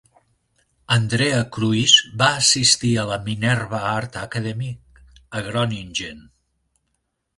Andrea Kruis va assistir a la Minerva Art Academy, a Groningen.